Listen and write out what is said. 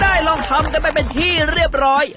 ลองทำกันไปเป็นที่เรียบร้อย